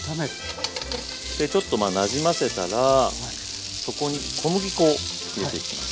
でちょっとなじませたらここに小麦粉を入れていきます。